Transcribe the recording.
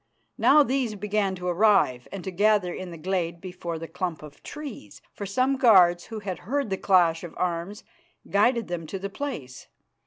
Now these began to arrive and to gather in the glade before the clump of trees, for some guards who had heard the clash of arms guided them to the place.